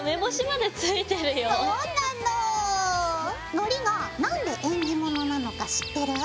のりが何で縁起物なのか知ってる？